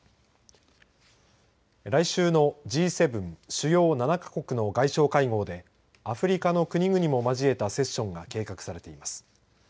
来週のＧ７主要７か国の外相会合でアフリカの国々も交えたセッションが計画されています。